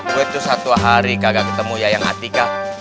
gue tuh satu hari kagak ketemu yayang hati kak